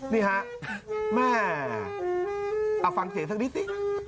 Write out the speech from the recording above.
นี่ฮะแม่เอาฟังเสียงสักนิดสิ